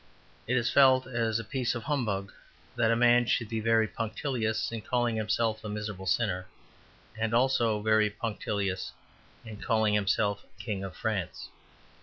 It is felt as a piece of humbug, that a man should be very punctilious in calling himself a miserable sinner, and also very punctilious in calling himself King of France.